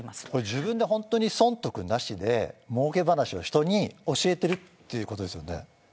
自分で損得なしでもうけ話を人に教えているということですよね。